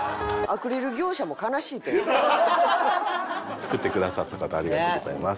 作ってくださった方ありがとうございます。